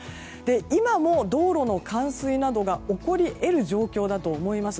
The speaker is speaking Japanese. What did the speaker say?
今も道路の冠水などが起こり得る状況だと思います。